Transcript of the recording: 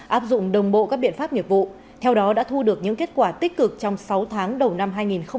áp dụng đồng bộ các biện pháp nghiệp vụ theo đó đã thu được những kết quả tích cực trong sáu tháng đầu năm hai nghìn hai mươi